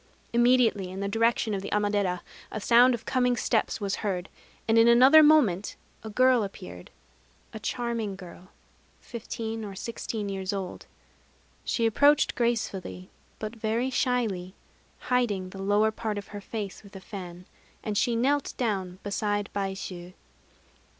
Immediately, in the direction of the Amadera, a sound of coming steps was heard; and in another moment a girl appeared, a charming girl, fifteen or sixteen years old. She approached gracefully, but very shyly, hiding the lower part of her face with a fan; and she knelt down beside Baishû.